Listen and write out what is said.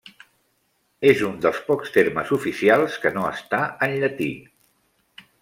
És un dels pocs termes oficials que no està en llatí.